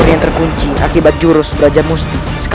dia terkena jurus raja dewa